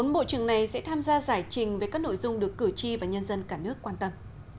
bốn bộ trường này sẽ tham gia giải trình về các nội dung được cử tri và nhân dân cả nước quan tâm